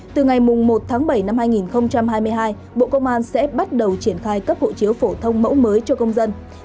từ ngày một tháng bảy năm hai nghìn hai mươi hai bộ công an sẽ bắt đầu triển khai cấp hộ chiếu phổ thông mẫu mới cho công dân